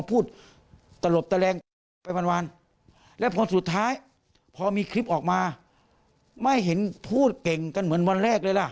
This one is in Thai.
พูดตลบตะแรงไปวันแล้วพอสุดท้ายพอมีคลิปออกมาไม่เห็นพูดเก่งกันเหมือนวันแรกเลยล่ะ